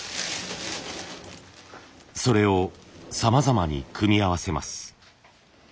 それをさまざまに組み合わせます。